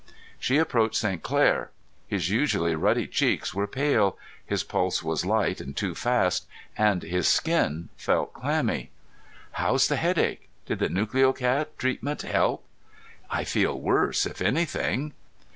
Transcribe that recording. She approached St. Clair. His usually ruddy cheeks were pale, his pulse was light and too fast, and his skin felt clammy. "How's the headache? Did the Nucleocat treatment help?" "I feel worse, if anything."